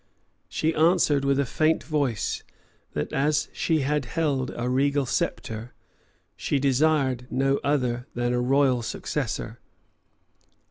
She answered with a faint voice, that as she had held a regal sceptre, she desired no other than a royal successor.